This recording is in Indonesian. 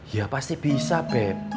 ya pasti bisa beb